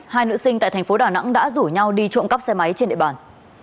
hai nữ sinh tại thành phố đà nẵng đã rủ nhau đi trộm cắp xe máy trên địa bàn